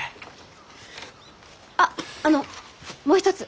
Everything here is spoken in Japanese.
あっあのもう一つ。